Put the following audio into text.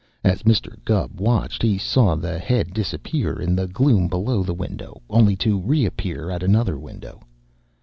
As Mr. Gubb watched, he saw the head disappear in the gloom below the window only to reappear at another window.